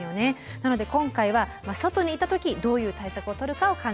なので今回は外にいた時どういう対策を取るかを考えていきます。